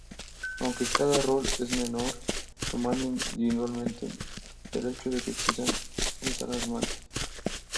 Aunque cada error es menor tomado individualmente, el hecho de que existan es alarmante.